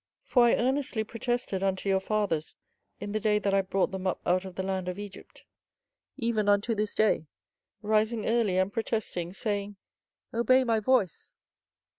24:011:007 For I earnestly protested unto your fathers in the day that I brought them up out of the land of Egypt, even unto this day, rising early and protesting, saying, Obey my voice.